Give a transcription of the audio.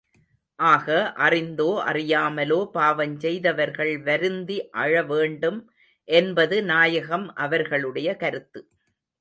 ஆக அறிந்தோ, அறியாமலோ பாவஞ் செய்தவர்கள் வருந்தி அழ வேண்டும் என்பது நாயகம் அவர்களுடைய கருத்து.